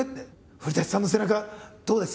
「古さんの背中どうです？